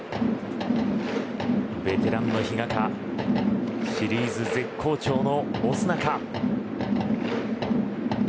ベテランの比嘉かシリーズ絶好調のオスナか。